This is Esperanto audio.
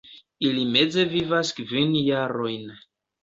Ili meze vivas kvin jarojn.